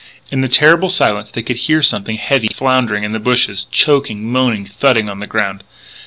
In the terrible silence they could hear something heavy floundering in the bushes, choking, moaning, thudding on the ground.